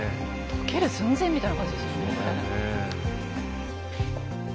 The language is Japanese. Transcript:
溶ける寸前みたいな感じですよね。